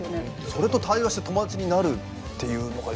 それと対話して友達になるっていうのが？